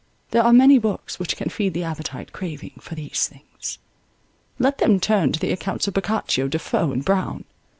There are many books which can feed the appetite craving for these things; let them turn to the accounts of Boccaccio, De Foe, and Browne.